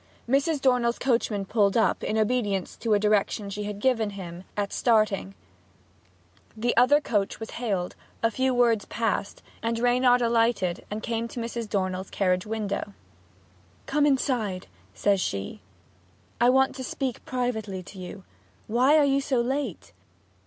Mrs. Dornell's coachman pulled up, in obedience to a direction she had given him at starting; the other coach was hailed, a few words passed, and Reynard alighted and came to Mrs. Dornell's carriage window. 'Come inside,' says she. 'I want to speak privately to you. Why are you so late?'